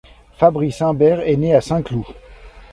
Fabrice Humbert est né à Saint-Cloud.